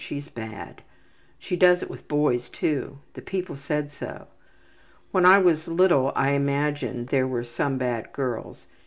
She's bad. She does it with boys too. The people said so. When I was little I imagined there were some bad girls.